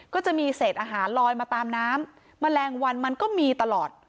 ก็จะมีเศษอาหารลอยมาตามน้ำแมลงวันมันก็มีตลอด